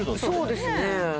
そうですね。